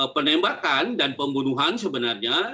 penembakan dan pembunuhan sebenarnya